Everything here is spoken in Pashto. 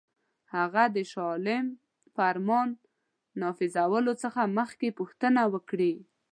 هغه د شاه عالم فرمان نافذولو څخه مخکي پوښتنه وکړي.